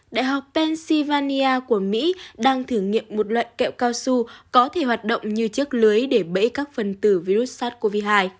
đại học pennsylvania của mỹ đang thử nghiệm một loại kẹo cao su có thể hoạt động như chiếc lưới để bẫy các phần tử virus sars cov hai